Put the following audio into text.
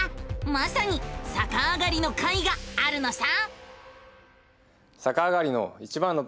まさにさかあがりの回があるのさ！